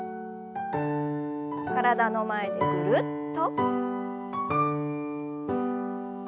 体の前でぐるっと。